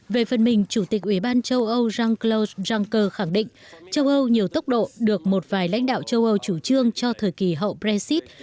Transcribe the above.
về phần mình chủ tịch ủy ban châu âu jean claude juncker khẳng định châu âu nhiều tốc độ được một vài lãnh đạo châu âu chủ trương cho thời kỳ hậu brexit